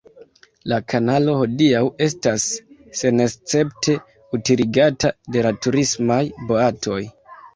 La kanalo hodiaŭ estas senescepte utiligata de turismaj boatoj.